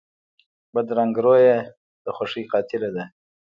بدرنګه رویه د خوښۍ قاتله ده